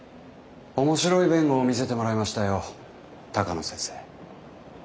面白い弁護を見せてもらいましたよ鷹野先生。